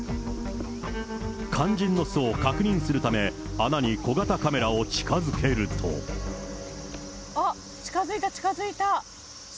肝心の巣を確認するため、あっ、近づいた、近づいた。